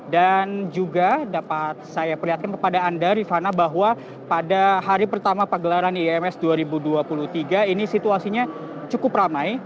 dan juga dapat saya perlihatkan kepada anda rifana bahwa pada hari pertama pergelaran ims dua ribu dua puluh tiga ini situasinya cukup ramai